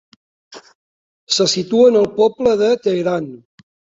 Se situen al poble de Teheran.